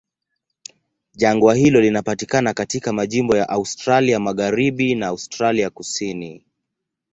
Jangwa hilo linapatikana katika majimbo ya Australia Magharibi na Australia Kusini.